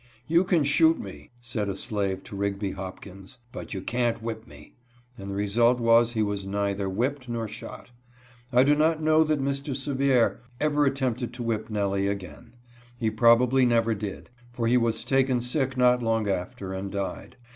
" You can shoot me," said a slave to Rigby Hopkins, " but you can't whip me," and the result was he was neither whipped nor shot. I do not know that Mr. Sevier ever attempted to whip Nellie again. He probably never did, for he was taken sick not long after and died.